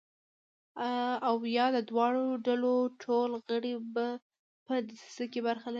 او یا د دواړو ډلو ټول غړي په دسیسه کې برخه لري.